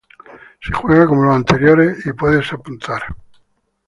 Se juega como los anteriores y puedes apuntar.